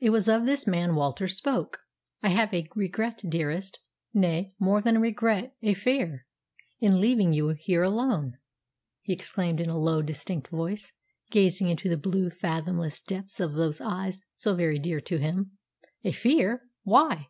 It was of this man Walter spoke. "I have a regret, dearest nay, more than a regret, a fear in leaving you here alone," he exclaimed in a low, distinct voice, gazing into the blue, fathomless depths of those eyes so very dear to him. "A fear! Why?"